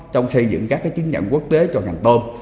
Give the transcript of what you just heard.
trong xây dựng các chứng nhận quốc tế cho ngành tôm